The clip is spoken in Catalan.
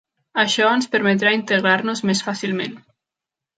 Això ens permetrà integrar-nos més fàcilment.